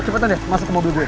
cepetan ya masuk ke mobil gue